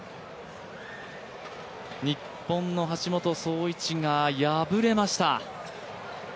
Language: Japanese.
日本の橋本壮市が敗れました。